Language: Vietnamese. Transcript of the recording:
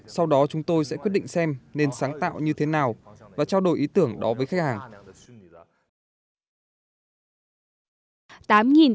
sau đó chúng tôi sẽ quyết định xem nên sáng tạo như thế nào và trao đổi ý tưởng đó với khách hàng